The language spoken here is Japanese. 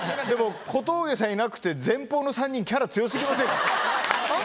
でも小峠さんいなくて、前方の３人、キャラ強すぎませんか？